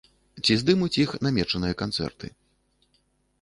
Ці здымуць іх намечаныя канцэрты.